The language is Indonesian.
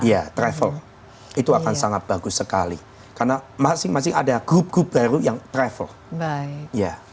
iya travel itu akan sangat bagus sekali karena masing masing ada grup grup baru yang travel naik ya